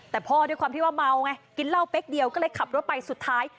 แต่พ่อด้วยความที่ว่าเมาไงกินเหล้าเป๊กเดียวก็เลยขับรถไปสุดท้าย